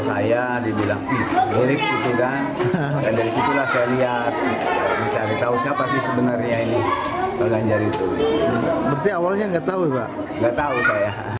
saya dibilang murid itu kan dari situlah saya lihat cari tahu siapa sih sebenarnya ini ganjar itu